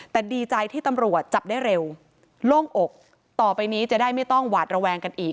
แต่ดีใจที่ตำรวจจับได้เร็วโล่งอกต่อไปนี้จะได้ไม่ต้องหวาดระแวงกันอีก